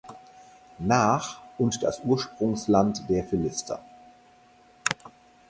Nach und das Ursprungsland der Philister.